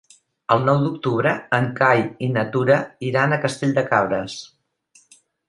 El nou d'octubre en Cai i na Tura iran a Castell de Cabres.